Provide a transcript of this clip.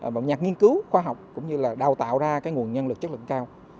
một nhà nghiên cứu khoa học cũng như là đào tạo ra cái nguồn nhân lực chất lượng cao